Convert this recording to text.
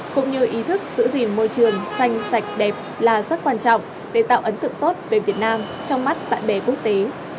cũng như ý thức giữ gìn môi trường xanh sạch đẹp là rất quan trọng để tạo ấn tượng tốt về việt nam trong mắt bạn bè quốc tế